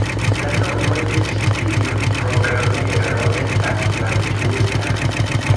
La nomo de ĉi tiu programero estas malĝusta.